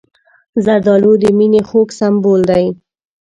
زردالو د مینې خوږ سمبول دی.